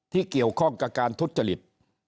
ที่เกี่ยวข้องกับการทุจริต